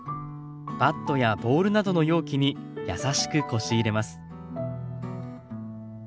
バットやボウルなどの容器にやさしくこし入れます。